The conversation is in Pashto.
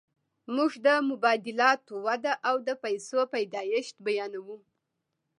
موږ د مبادلاتو وده او د پیسو پیدایښت بیانوو